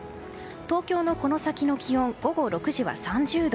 東京のこの先の気温午後６時は３０度。